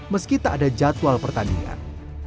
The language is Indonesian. meski tak ada jadwal pertandingan